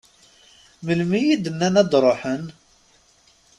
Melmi i d-nnan ad d-ruḥen?